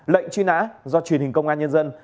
lệnh truy nã do truyền hình công an nhân dân